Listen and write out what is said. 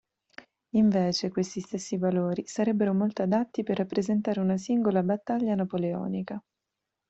Invece questi stessi valori sarebbero molto adatti per rappresentare una singola battaglia napoleonica.